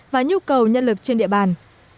và nhu cầu nhân lực trên địa bàn